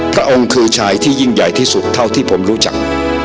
พระองค์คือชายที่ยิ่งใหญ่ที่สุดเท่าที่ผมรู้จัก